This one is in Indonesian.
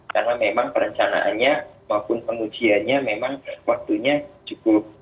karena memang perencanaannya maupun pengujiannya memang waktunya cukup